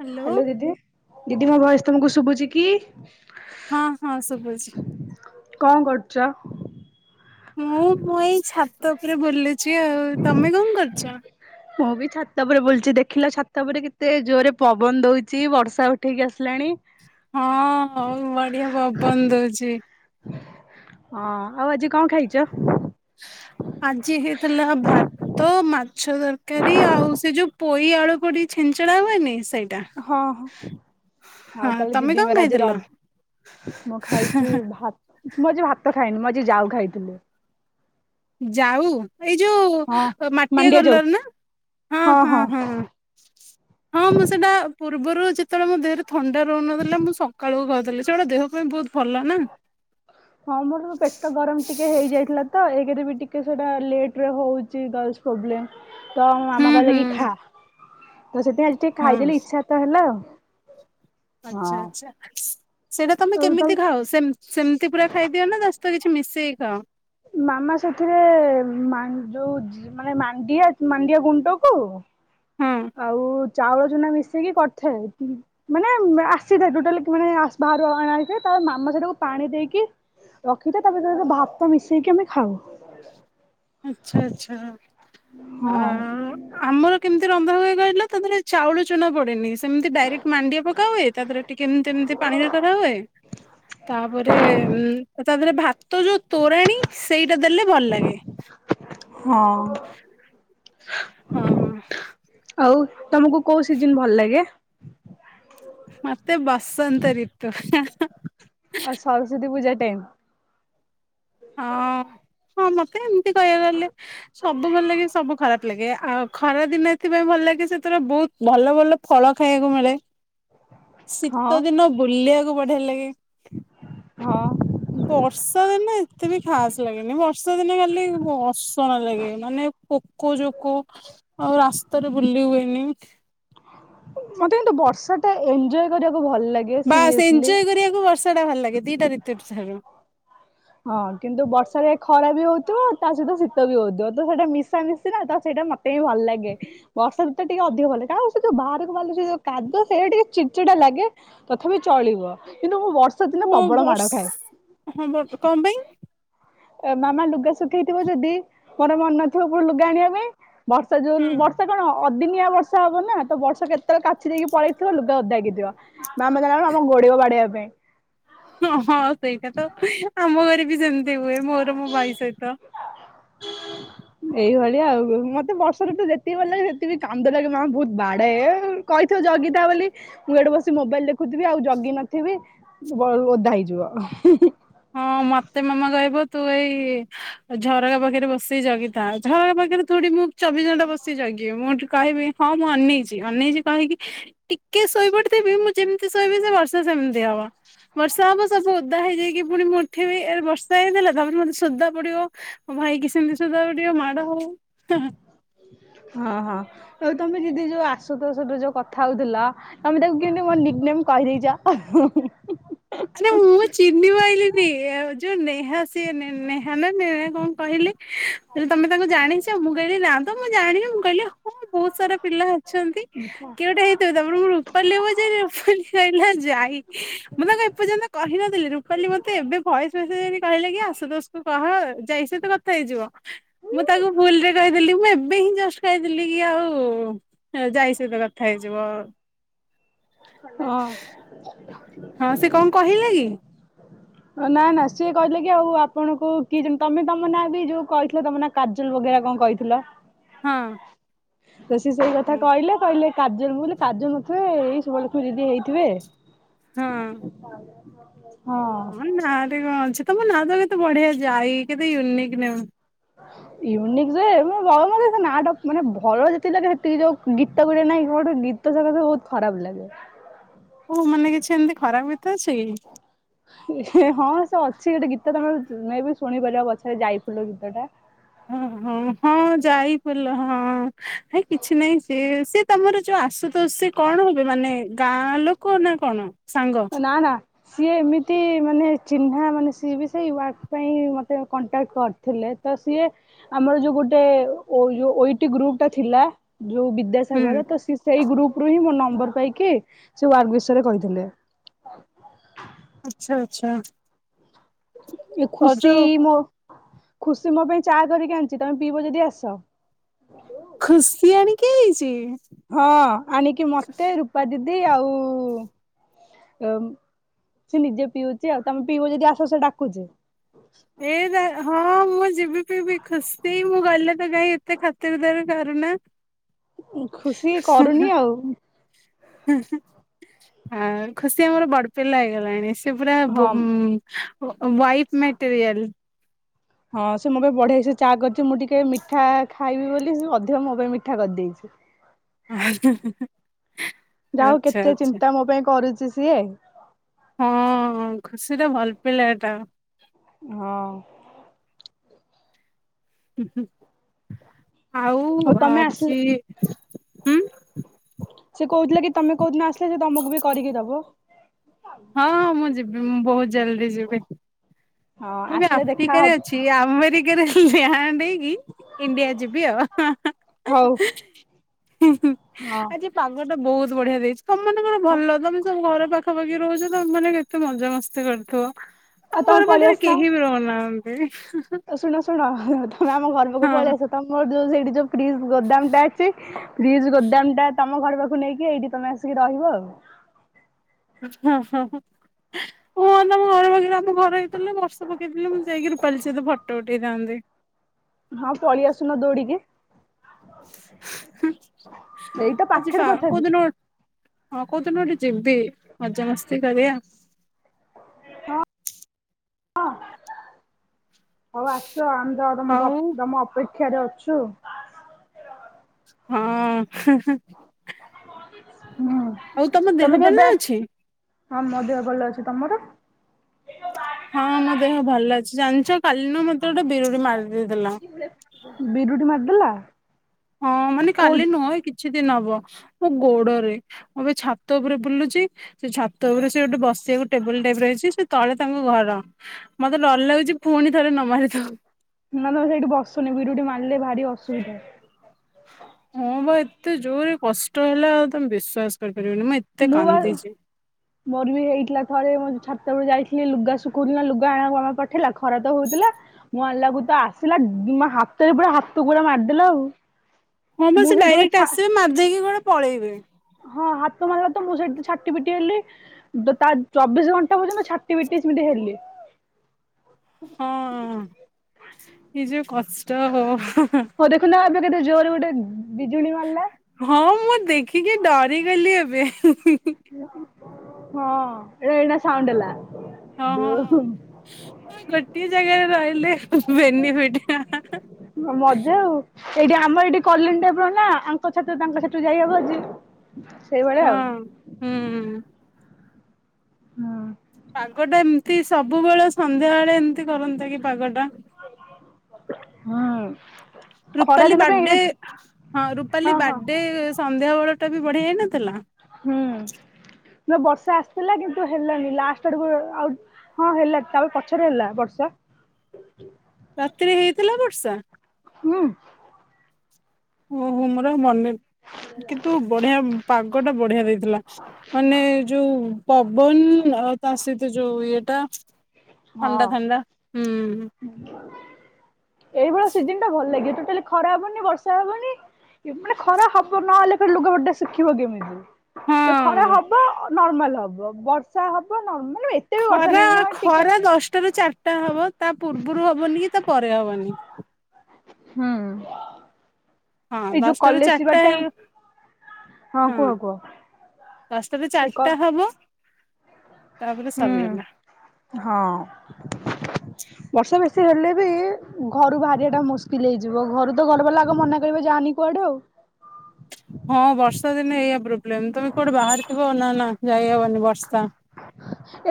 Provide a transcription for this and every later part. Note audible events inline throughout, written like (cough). Hello hello ଦିଦି ଦିଦି ମୋ ଭୟସେ୍ ତମକୁ ଶୁଭୁଚି କି? ହଁ ହଁ ସବୁଛି। କଣ କରୁଚ? ମୁଁ ମୁଁ ଏଇ ଛାତ ଉପରେ ବୁୁଲୁଚି ଆଉ ତମେ କଣ କରୁଚ? ମୁଁ ବି ଛାତ ଉପରେ ବୁଲଚି ଦେଖିଲ ଛାତ ଉପରେ କେତେ ଜୋରେ ପବନ ଦଉଚି ବର୍ଷା ଉଠେଇିକି ଆସିଲାଣି। ହଁ ହଉ ବଢିଆ ପବନ ଦେଉଛି। ହଁ ଆଉ ଆଜି କଣ ଖାଇଚ? ଆଜି ହେଇଥିଲା ଭା ତ ମାଛ ତରକାରୀ ଆଉ ସେ ଯୋଉ ପୋଇ ଆଳୁ ପଡ଼ିକି ଛେଚେଡା ହୁଏନି ସେଇ। ହଁ ଆଉ ତାହେଲେ ତମେ କଣ ଦିଦିଙ୍କର ଆଜି ଖାଇଥିଲ? ରାଜ। ମୁଁ ଖାଇଚି ଭାତ ମୁଁ ଆଜି ଭାତ ଖାଇନି ମୁଁ ଆଜି ଯାଉ ଖାଇଥିଲି। ଯାଉ ଏଇ ଯୋଉ ହଁ ଅଁ ମାଟିଆ ମାଣ୍ଡିଆ ଯାଉ କଲର ନା ହଁ ହଁ ହଁ। (unintelligible) ହଁ ମୁଁ ସେଇଟା ପୂର୍ବରୁ ଯେତେବେଳେ ମୋ ଦେହେରେ ଥଣ୍ଡା ରହୁନଥିଲା ମୁଁ ସକାଳୁ ଖାଉଥିଲି ସେଗୁଡାକ ଦେହ ପାଇଁ ବହୁତ ଭଲ ନା। ହଁ ମୋର ପେଟ ଗରମ ଟିକେ ହେଇଯାଇଥିଲା ତ ଏକରେ ବି ଟିକେ ସେଇଟା ଲେଟରେ ହଉଛି ଗାର୍ଲସ୍ ପ୍ରୋବ୍ଲେମ ତ ହୁଁ ମାମା କହିଲା ହୁଁ କି ଖା। ତ ସେଥିପାଇଁ ଆଜି ଟିକେ ହଁ ଖାଇଦେଲି ଇଚ୍ଛା ତ ହେଲା ଆଉ। ଆଚ୍ଛା ହଁ। ଆଚ୍ଛା ସେଁ ସେଇଟା ତମେ ଆଉ କେମିତି ଖାଅ? ତାଙ୍କ ସେମ୍-ସେମିତି ପୁରା ଖାଇଦିଅ ନା ତା ସ ହିତ କିଛି ମିଶେଇ ଖାଅ? ମାମା ସେଥିରେ ମାନ୍ ଯୋଉ ଯି ମାନେ ମାଣ୍ଡିଆ ମାଣ୍ଡିଆ ଗୁଣ୍ଡକୁ ହଁ। ଆଉ ଚାଉଳ ଚୁନା ମିଶେଇକି କରିଥାଏ ଉଁ। ମାନେ ବା ଆସିଥାଏ ଟୋଟାଲ କି ମାନେ ଆସ୍ ବାହାରୁ ଅଣାହେଇଥାଏ। ତା ପରେ ମାମା ସେଇଟାକୁ ପାଣି ଦେଇକି ରଖିଥାଏ ତା ପରେ (unintelligible) ଭାତ ମିଶେଇକି ଆମେ ଖାଉ। ଆଚ୍ଛା ଆଚ୍ଛା ଆ ଆମର କେମ୍ ତି ରନ୍ଧା ହୁଏ କହିଲ ତା ଦେହରେ ଚାଉଳ ଚୁନା ପଡେନି। ସେମିତି ଡାଇରେକ୍ଟ ମାଣ୍ଡିଆ ପକା ହୁଏ ତା ଦେହରେ ଟିକେ ଏମିତି ଏମିତି ପାଣିରେ କରା ହୁଏ। ତା ପରେ ଉଁ ତା ଦେହରେ ଭାତ ଯୋଉ ତୋରାଣୀ ସେଇଟା ଦେଲେ ଭଲ ଲାଗେ। ହଁ। ହଁ। ଆଉ ତମୁକୁ କୋଉ ସିଜିନ ଭଲ ଲାଗେ? ମତେ ବସନ୍ତ ଋତୁ ହାଁ ହାଁ। ଓ ସରସ୍ଵତୀ ପୂଜା ଟାଇମ୍? ହଁ ହଁ ମତେ ଏମିତି କହିବାକୁ ଗଲେ ସବୁ ଭଲ ଲାଗେ ସବୁ ଖରାପ ଲାଗେ। ଆଉ ଖରା ଦିନ ଏଥିପାଇଁ ଭଲ ଲାଗେ ସେଥିର ବହୁତ ଭଲ ଭଲ ଫଳ ଖାଇବାକୁ ମିଳେ। ହଁ ଶୀତ ଦିନ ବୁଲିବାକୁ ବଢିଆ ଲାଗେ। ହଁ। ବର୍ଷା ଦିନେ ଏତେ ବି ଖାସ ଲାଗେନି। ବର୍ଷା ଦିନେ ଖାଲି ଅସନା ଲାଗେ ମାନେ ପୋକ ଜୋକ, ଆଉ ରାସ୍ତାରେ ବୁଲି ହୁଏନି। ମତେ କିନ୍ତୁ ବର୍ଷାଟା ଏଞ୍ଜୟ କରିବାକୁ ଭଲ ଲା ବାସ୍ ଏଞ୍ଜୟ କରିବାକୁ ବର୍ଷା ଟା ଭଲ ଲାଗେ ଦିଟା ଋତୁ ଠାରୁ। ହଁ କିନ୍ତୁ ବର୍ଷାରେ ଖରା ବି ହଉଥିବ ତା ସହିତ ଶୀତ ବି ହଉଥିବ। ତ ସେଇଟା ମିଶା ମିଶି ନା ତ ସେଇଟା ମତ୍ ମତେ ବି ଭଲ ଲାଗେ। ବର୍ଷା ଋତୁଟା ଟିକେ ଅଧିକ ଭଲ ଲାଗେ। ଆଉ ସେ ଯୋଉ ବାହାରକୁ ବାହାରିଲେ ସେ ଯୋଉ କାଦୁଅ ସେଇଟା ଟିକେ ଚିଡିଚିଡା ଲାଗେ। ତଥାପି ଚଳିବ। କିନ୍ତୁ ମୁଁ ବର୍ଷା ଦିନେ ହଁ ପ୍ରବଳ ବର୍ଷ ମାଡ ଖାଏ। ହଁ କଣ ପାଇଁ ମାମା ଲୁଗା ଶୁଖେଇଥିବ ଯଦି ମୋର ମନ ନଥିବ ଉପୁରୁ ଲୁଗା ଆଣିବା ପାଇଁ ବର୍ଷା (unintelligible) ହଁ ବର୍ଷା କଣ ଅଦିନିଆ ବର୍ଷା ହବ ନା ତ ବର୍ଷକ କେତେବେଳେ କାଚି ଦେଇକି ପଳେଇଥିବ ଲୁଗା ଓଦା ହେଇ (unintelligible) ଥିବ। ମାମା ଜାଣି (unintelligible) ଆମୁକୁ ଗୋଡେଇବ ବାଡେଇବା ପାଇଁ। ହଁ ହଁ ସେଇଟା ତ ଆମ ଘରେ ବି ସେମିତି ହୁଏ। ମୋର ମୋ ଭାଇ ସହିତ। (unintelligible) ଏଇଭଳିଆ ଆଉ। ମତେ ବର୍ଷା ଋତୁ ଯେତିକି ଭଲ ଲାଗେ ସେତିକି ବି କାନ୍ଦଲାଗେ ମାମା ବହୁତ ବାଡାଏ ଏଁ କହିଥିବ ଜଗିଥା ବୋଲି ମୁଁ ଏଇଠୁ ବସି ମୋବାଇଲ ଦେଖୁଥିବି ଆଉ ଜଗି ନଥିବି। ବ ଓଦା ହେଇଯିବ ହୁଁ ହୁଁ। ହଁ ମତେ ମାମା କହିବ ତୁ ଏଇ ଝରକା ପାଖେରେ ବସିକି ଜଗିଥା। ଝରକା ପାଖେରେ ଥୋଡି ମୁଁ ଚବିଶ ଘଣ୍ଟା ବସିକି ଜଗିବି ମୁଁ ସେଠୁ କହିବି ହଁ ମୁଁ ଅନେଇଚି ଅନେଇଚି କହିକି ଟିକେ ଶୋଇପଡିଥିବି ମୁଁ ଯେମିତି ଶୋଇବି ସେ ବର୍ଷ ସେ ସେମିତି ହବ ବର୍ଷା ହବ ସବୁ ଓଦା ହେଇଯାଇକି ପୁଣି ମୁଠି ଏ ବର୍ଷା ହେଇଥିଲା ତାପରେ ମତେ ସୁଧା ପଡିବ। ଆଉ ଭାଇ କିି ସେମିତି ସୁଧା ପଡ଼ିବ ଟିକେ ମାଡ ହଉ। ହଁ ହଁ ଆଉ ତମେ ଯିଦି ଯୋଉ ଆସୁତୋଷ ସହିତ ଯୋଉ କଥା ହେଉଥିଲ ତମେ ତାକୁ କେମିତି ମୋର ନିକ୍ ନେମ୍ କହିଦେଇଚ? ଆରେ ମୁଁ ଚିହ୍ନି ପ ପାଇଲିିନି ଯୋଉ ଏ ନେହା ସିଏ ନେହା ନା ନେ କଣ କହିଲେ। ହ ତମେ ତାଙ୍କୁ ଜାଣିଚ ମୁଁ କହିଲି ନା ତ ମୁଁ ଜାଣିନି ମୁଁ କହିଲି ହଁ ହୋହୁତ ସାରା ପିଲା ଅଛନ୍ତି। ହଁ କିଏ ଗୋଟେ ହେଇଥିବ ତାଉପରେ ରୂପାଲି କି ପଚାରିଲି କହିଲା ଯାଇ ମୁଁ ତା କହି ଏପର୍ଯ୍ୟନ୍ତ କହିନଥିଲି ରୁପାଲି ମତେ ଏବେ ଭଏସ ମେସେଜ କହିଲେ କି ଆଶୁ ଦୋଷକୁ କହ ଯାଇସ କଥା ହେଇଯିବ ମୁଁ ତାକୁ ଭୁଲରେ କହିଦେଲିି ମୁଁ ଏବେ ହିଁ ଜଷ୍ଟ ଖାଇଦେଥିଲି କି ଆଉ ହେ ଯାଇ ସହିତ କଥା ହେଇଯିବ ଆଉ। ହଁ। ହଁ ସେ କଣ କହିଲା କି? ନା ନା ସିଏ କହିଥିଲେ କି ଆଉ ଆପଣଙ୍କୁ କିଏ ଜ ତମେ ତମ ନାଁ ବି ଯୋଉ କହିଥିଲେ ତମ ନାଁ କାଜଲ ବଗେରା କଣ କହିଥିଲ? ହଁ। ତ ସି ସେଇ କଥା ହଁ। କହିଲେ କହିଲେ କାଜଲ ମୁ କହିଲି କାଜଲ ନଥିବ ବେ ଏଇ ସୁଭଲକ୍ଷ୍ମୀ ଦିଦି ହେଇଥିବେ ହଁ ହଁ। ନାଁ ଠେଇଁ କଣ ଅଛି ତମ ନାଁ ତ କେତେ ବଢିଆ ଯାଇ କେତେ ୟୁନିକ୍ ନେମ। ହ ୟୁନିକ୍ ଯେ ମୋ ବାପା ମୋତେ ସେ ନାଁ ଟା ମାନେ ଭଲ ଯେଟିକି ଲାଗେ ସେତିକି ଯୋଉ ଗୀତ ଗୋଟେ ନାଇଁ କଣ ଗୀ ଗୀତ ସକାସେ ବୋହୁତ ଖରାପ ଲାଗେ। ଓ ମାନେ କିଛି ଏମିତି ଖରାପ ଗୀତ ଅଛି କି? ହଁ ସେ ଅଛି ଗୋଟେ ଗୀତ ତମେ ବି ଶୁଣିପାରିବ ପଛରେ ଯାଇଫୁଲ ଗୀତ ଟା। ଓ ହୋ ହଁ ଯାଇଫୁଲ ହଁ ହେ କିଛି ନାଇଁ ସି ସେ ତମର ଯୋଉ ଆସୁତୋଷ କଣ ହବେ ମାନେ ଗାଁ ଲୋକ ନା କଣ ସାଙ୍ଗ? ନାଁ ନାଁ। ସିଏ ଏମିତି ମାନେ ଚିହ୍ନା ମାନେ ସିଏ ବି ସେଇ ୱାର୍କ ପାଇଁ ମୋତେ କଣ୍ଟାକ୍ଟ କରନ୍ତି। ଥିଲେ ତ ସିଏ ଆମର ଯୋଉ ଗୋଟେ ଓଇଟି ଗ୍ରୁପ ଟା ଥିଲା ଯୋଉ ବି ହୁଁ ବିଦ୍ୟାସାଗର ତ ସେଇ ଗ୍ରୁପ ରୁ ହିଁ ମୋ ନମ୍ବର ପାଇକି ସେ ୱାର୍ଗ ବିଷୟରେ କହିଥିଲେ। ଆଛା ଆଛା। ଏ ଖୁସି ମୋ ଖୁସି ମୋ ପାଇଁ ଚା କରିକି ଆଣିଚି ତମେ ପିଇବ ଯଦି ଆସ। ଖୁସି ଆଣିକି ଆଇଚି? ହଁ ଆଣିକି ମତେ ରୂପା ଦିଦି ଆଉ ଏ ସେ ନିଜେ ପିଉଚି ଆଉ ତମେ ପିଇବ ଯଦି ଆସ ସେ ଡାକୁଚି। ଏ ହଁ ମୁଁ ଯିବି ପିିବି ଖୁସି ମୁଁ ଗଲେ ତ କାାଇଁ ଏତେ ଖ ତେବେ ତାହର କାରଣ। ଖୁସି କରୁନି ଆଉ। ଆ ଖୁସି ଆମର ବଡ ପିଲା ହେଇଗଲାଣି। ସେ ପୁରା ହଁ। White material. ହଁ ସେ ମୋ ପାଇଁ ବଢିସେ ଚା କରିଦେଇଚି ମୁଁ ଟିକେ ମିଠା ଖାଇବି ବୋଲି ସେ ଅଧ ମୋ ପାଇଁ ମିଠା କରିଦେଇଚି। ଆଉ ଯାଉ କେତେ ଚିନ୍ତା ମୋ ପାଇଁ କରୁଚି ସିଏ। ହଁ ଖୁସିଟା ଭଲ ପିଲାଟା। ହଁ। ଉଁ ହୁଁ ହଉ ଆଉ ତମେ ଆସିଲେ ଆଜି ଉଁ। ସେ କୋହୁଥିଲେ କି ତମେ କୋଉଦିନ ଆସିଲେ ସେ ତମକୁ ବି କରିକି ଦବ। ହଁ ହଁ ମୁଁ ଯିବି ବୋହୁତ ଜଲଦି ଯିବି ହଁ ମୁଁ ବି ଆସିଲେ ଦେଖା ଆଫ୍ରିକାରେ ହବ ଅଛି। ଏଇ ଆମେରିକାରେ ଲ୍ୟାଣ୍ଡ ହେଇକି ଇଣ୍ଡିଆ ଯିବି ଆଉ। ହୋଉ। ହୁଁ ହୁଁ। ହଁ। ସେ ପାଗଟା ବୋହୁତ ବଢିଆ ଦେଇଚି ତମ ମାନଙ୍କର ଭଲ ତମେ ସବୁ ଘର ପାଖ ଖାପାଖି ରହୁଚ ତମେମାନେ କେତେ ମଜାମସ୍ତି କରୁଥୁବ। ଆଉ ତମେ ପଳେଆସୁନ। ବି ରହୁନାହାନ୍ତି। ଆଉ ଶୁଣ ଶୁଣ ତମେ ଆମ ଘର ପାଖକୁ ହଁ ପଳେଆସ ତମର ଯୋଉ ସେଇଠି ଯୋଉ ଫ୍ରିଜ ଗୋଦାମଟା ଅଛି ଫ୍ରିଜ୍ ଗୋଦାମଟା ତମ ଘର ପାଖକୁ ନେଇକି ଏଇଠି ତମେ ଆସିକି ରହିବ ଆଉ। ହଁ ହଁ ହୁଁ। ମୁଁ ଅନା ମୁଁ ଘର ପକେଇ ନା ଆମ ଘର ହେଇଥିଲେ ବର୍ଷ ପକେଇଥିଲେ ମୁଁ ଯାଇକି ରୁପାଲି ସହିତ ଫଟୋ ଉଠେଇଥାଆନ୍ତି। ହଁ ପଳିଆସୁନ ଦୌଡିକି। ହୁଁ ଏଇ ତ ଆଜି ପାଖରେ ପା ତଥାପି କୋଉଦିନ ଗୋ ହଁ କୋଉଦିନ ଗୋଟେ ଯିବି ମଜାମସ୍ତି କରିବା। ହଁ ଅଁ ହୋଉ ଆସ ଆମ ର ତମକୁ ଅ ଆଉ ତମ ଅପେକ୍ଷାରେ ଅଛୁ। ହଁ। ହୁଁ ଆଉ ତମ ଦେହ ତମେ ଭଲ ଯବେ ଆ ଅଛି? ହଁ ମୋଦେହ ଭଲ ଅଛି ତମର? ହଁ ମୋ ଦେହ ଭଲ ଅଛି ଜାଣିଚ କାଲି ନା ମତେ ଗୋଟେ ବିରୁଡି ମାରି ଦେଇଦେଥିଲା। ବିରୁଡି ମାରଦେଲା। ହଁ ମାନେ କାଲି ନୁହଁ ଏଇ କିଛି ଦିନ ହବ ମୋ ଗୋଡରେ। ମୁଁ ଏବେ ଛାତ ଓପରେ ବୁଲୁଛି। ସେ ଛାତ ଓପରେ ସିଏ ଗୋଟେ ବସିବାକୁ ଟେବୁଲ ଟାଇପର ହେଇଚି ସେ ତଳେ ତାଙ୍କ ଘର ମତେ ଡର ଲାଗୁଚି ପୁଣି ଥରେ ନ ମାରିଦୋଉ। ନା ତମେ ସେଇଠି ବସନି ବିରୁଡି ମାରଲେ ଭାରି ଅସୁବିଧା। ହଁ ପା ଏତେ ଜୋରେ କଷ୍ଟ ହେଲା ଆଉ ତମେ ବିଶ୍ୱାସ କରିପାରିବନି ମା ଏ ମୁପା ମୋର ବି ହେଇଥିଲା ଥରେ ମୋ ଛାତ ଓପରକୁ ଯାଇଥିଲି ଲୁଗା ଶୁକୋଉଥୁଲି ନା ଲୁଗା ଆଣିଆକୁ ମାମା ପଠେଇଲା ଖରା ତ ହୋଉଥୁଲା ମୋ ଆଣଲା ଏଳକୁୁ ତ ଆସିଲା ମୋ ହାତରେ ପୁରା ହାତ ଗୋଡା ମାରିଦେଲା ଆଉ। ହଁ ମ ମୁଁ ସେ ସେଇଠୁ ପୁରା ଡାଇରେକ୍ଟ ଛା ଆସିବେ ମାରଦେଇକି କୁଆଡେ ପଳେଇବେ। ହଁ ହାତ ମାରଲା ତ ମୁଁ ସେଇଠୁ ଛାଟି ପିଟି ହେଲି ଯୋଉ ତା ଚବିଶ ଘଣ୍ଟା ପର୍ଯ୍ୟନ୍ତ ଛାଟି ପିଟି ସେମିତି ହେଲି। ହଁ ଇଏ ଯୋଉ କଷ୍ଟ। ହଁ ଦେଖୁନା ଏବେ କେତେ ଜୋରେ ଗୋଟେ ବିଜୁଳି ମାରଲା। ହଁ ମୁଁ ପା ଦେଖିକି ଡରିଗଲି ଏବେ ହୁଁ ହୁଁ ହୁଁ। ହଁ ଏ ଏଇନା ସାଉଣ୍ଡ ହେଲା। ହଁ ହଁ ଦୁମ୍। ଉଁ ଗୋଟିଏ ଜାଗାରେ ରହିଲେ ବେନିଫିଟ୍। ମଜା ଆଉ ଏଇଠି ଆମ ଏଇଠି କଲନୀ ଟାଇପ୍ ର ନାଁ ଆଙ୍କ ଛାତ ତାଙ୍କ ଛାତ ଯାଇହବ ଯି ସେଇଭଳିଆ ଆଉ। ହୁଁ। ହୁଁ। ପାଗଟା ଏମତି ସବୁବେଳେ ସନ୍ଧ୍ୟା ବଳେ ଏମତି କରନ୍ତା କି ପାଗଟା। ହଁ ହଁ। ଖରା ରୂପାଲି ଦିନ ପାଇଁ ବାଡେ ଏଇଟା ହଁ ରୂପାଲି ବାଡେ ସନ୍ଧ୍ୟାବେଳଟା ବି ବଢ଼ିଆ ହେଇନଥିଲା? ହୁଁ ନ ବର୍ଷା ଆସିଥିଲା କିନ୍ତୁ ହେଲନି ଲାଷ୍ଟ ଆଡ଼ୁକୁ ଆଉ ହଁ ହେଲା ତାପ ପଛରେ ହେଲା ବର୍ଷା। ରାତିରେ ହେଇଥିଲା ବର୍ଷା? ହୁଁ। ଓହୋ ମୋର ଆଉ ମନେ କିନ୍ତୁ ବଢ଼ିଆ ପାଗଟା ବଢ଼ିଆ ଦେଇଥିଲା। ମାନେ ଯୋଉ ପବନ ଆଉ ତା ସହିତ ଯୋଉ ଇଏଟା ଥଣ୍ଡା ହଁ ଥଣ୍ଡା ହୁଁ। ଏଇ ଭଳିଆ ସିଜନ୍ ଟା ଭଲ ଲାଗେ ଟୋଟାଲି ଖରା ହବନି ବର୍ଷା ହବନି। ଏ ମାନେ ଖରା ହବ ନହେଲେ ଫେର୍ ଲୁଗାପଟା ଶିଖିବ କେମିତି? ହଁ ତ ଖରା ହବ ନର୍ମାଲ ହବ ବର୍ଷା ହବ ନର୍ମାଲ ମ୍ ଏ ଖରା ଖରା ଦଶଟାରୁ ଚାରିଟା ହବ ତା ପୂର୍ବୁରୁ ହବନି କି ତା ପରେ ହବନି। ହୁଁ। ହଁ ଏଇ ଯୋଉ ବାଶଟାରୁ କଲେଜ ଯିବା ଚରଟା ଟାଇମ ହେଇ ହଁ କୁହ କୁହ। ଦଶଟାରୁ ଏ କ ଚାରଟା ହବ ତାପରେ ହୁଁ ସରିଗଲା। ହଁ। ବର୍ଷ ବେଶୀ ହେଲେ ବି ଘରୁ ବାହାରିବାଟା ମୁସ୍କିଲ୍ ହେଇଯିବ ଘରୁ ତ ଘର ବାଲା ଆଗ ମନା କରିବେ ଯାଆନି କୁଆଡ଼େ ଆଉ। ହଁ ବର୍ଷା ଦିନେ ଏଇଆ ପ୍ରୋବ୍ଲେମ୍ ତମେ କୁଆଡ଼େ ବାହାରିଥିବ ନାଁ ନାଁ ଯାଇହବନି ବର୍ଷା।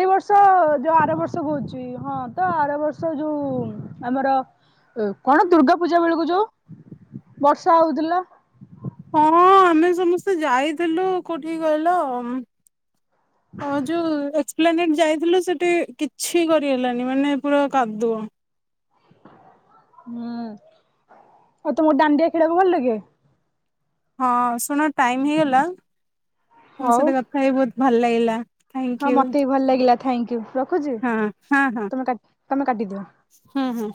ଏଇ ବର୍ଷ ଯୋଉ ଆର ବର୍ଷ କୋହୁଚି ଇ ହଁ ତ ଆର ବର୍ଷ ଯୋଉ ଆମର ଉ କଣ ଦୁର୍ଗା ପୂଜା ବେଳୁକୁ ଯୋଉ ବର୍ଷା ହଉଥୁଲା। ହଁ ଆମେ ସମସ୍ତେ ଯାଇଥିଲୁ କୋଉଠି କହିଲ ଉଁ ହଁ ଯୋଉ ଏ ପ୍ଲାନେଡ଼୍ ଯାଇଥିଲୁ ସେଠି କିଛି କରିହେଲାନି ମାନେ ପୁରା କାଦୁଅ। ହୁଁ ଆଉ ତମୁ ଦାଣ୍ଡିଆ ଖେଳିବାକୁ ଭଲ ଲାଗେ? ହଁ ଶୁଣ ଟାଇମ୍ ହେଇଗଲା ତମ ହଉ ସହିତ କଥା ହେଇ ବୋହୁତ ଭଲ ଲାଗିଲା। ଥ୍ୟାଙ୍କ ହଁ ୟୁ ମତେ ବି ଭଲ ଲାଗିଲା ଥାଙ୍କ୍ ୟୁ ରଖୁଚି ହଁ ହଁ ହଁ ତମେ କା ତମେ କାଟିଦିଅ। ହୁଁ ହୁଁ।